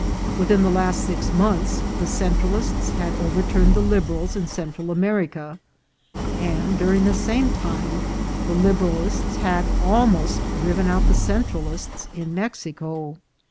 Within the last six months the Central ists had overturned the Liberals in Central America, and during the same time the Liberalists had almost driven out the Centralists in Mexico.